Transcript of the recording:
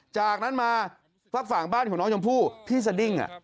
จากนั้นมาฝากฝั่งบ้านของน้องชมพู่พี่สดิ้ง